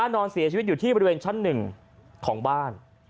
นอนเสียชีวิตอยู่ที่บริเวณชั้น๑ของบ้าน